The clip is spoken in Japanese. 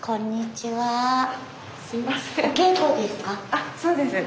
あそうです。